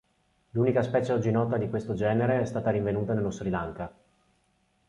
L'unica specie oggi nota di questo genere è stata rinvenuta nello Sri Lanka.